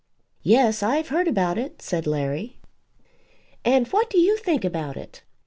"Yes; I've heard about it," said Larry. "And what do you think about it?